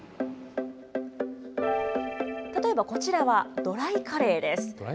例えばこちらは、ドライカレーです。